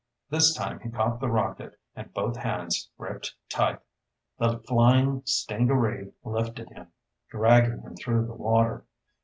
This time he caught the rocket, and both hands gripped tight. The flying stingaree lifted him, dragging him through the water.